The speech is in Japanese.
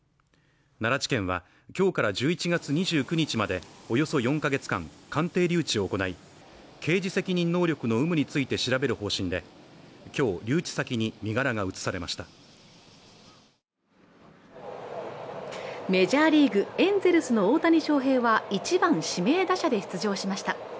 奈良地検は、今日から１１月２９日までおよそ４カ月間、鑑定留置を行い刑事責任能力の有無について調べる方針で今日、留置先に身柄が移されましたメジャーリーグ、エンゼルスの大谷翔平は１番・指名打者で出場しました。